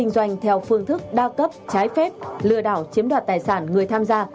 doanh theo phương thức đa cấp trái phép lừa đảo chiếm đoạt tài sản người tham gia